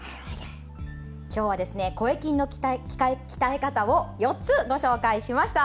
今日は声筋の鍛え方を４つご紹介しました。